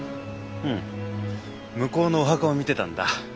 うん向こうのお墓を見てたんだ。